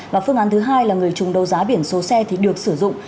và phương án thứ hai là người trùng đấu giá biển số xe thì được sử dụng